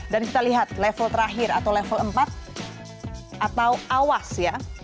dan kita lihat level terakhir atau level empat atau awas ya